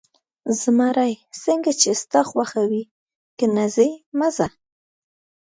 زمري: څنګه چې ستا خوښه وي، که نه ځې، مه ځه.